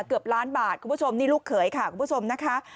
เกือบล้านบาทคุณผู้ชมนี่ลูกเขยค่ะคุณผู้ชมนะคะ